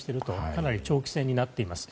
かなり長期戦になっています。